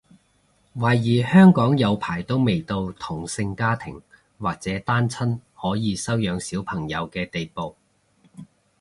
懷疑香港有排都未到同性家庭或者單親可以收養小朋友嘅地步